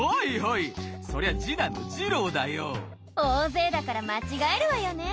大勢だから間違えるわよね。